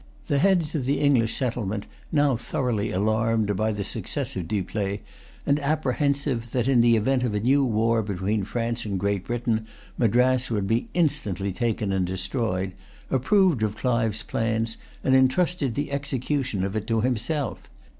The heads of the English settlement, now thoroughly alarmed by the success of Dupleix, and apprehensive that, in the event of a new war between France and Great Britain, Madras would be instantly taken and destroyed, approved of Clive's plan, and intrusted the execution of it to himself.